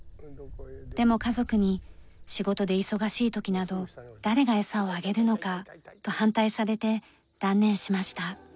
でも家族に「仕事で忙しい時など誰がエサをあげるのか」と反対されて断念しました。